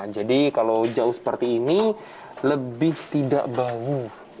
jadi kalau jauh seperti ini lebih tidak bau